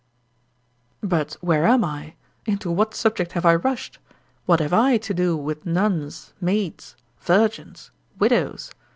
But where am I? Into what subject have I rushed? What have I to do with nuns, maids, virgins, widows?